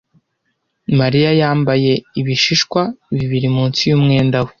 Mariya yambaye ibishishwa bibiri munsi yumwenda we.